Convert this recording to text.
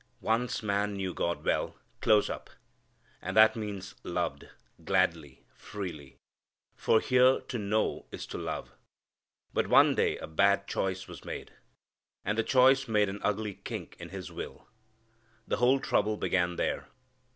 Once man knew God well; close up. And that means loved, gladly, freely. For here to know is to love. But one day a bad choice was made. And the choice made an ugly kink in his will. The whole trouble began there.